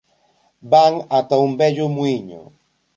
Van ata un vello muíño.